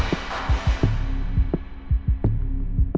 กลับไปกัน